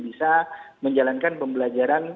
bisa menjalankan pembelajaran